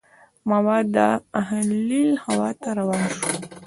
موږ د الخلیل خواته روان شوو.